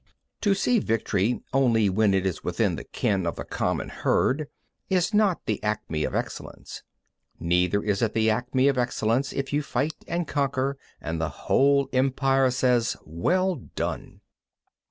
8. To see victory only when it is within the ken of the common herd is not the acme of excellence. 9. Neither is it the acme of excellence if you fight and conquer and the whole Empire says, "Well done!"